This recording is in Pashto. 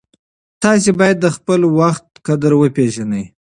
تاسې باید د خپل وخت قدر وپېژنئ.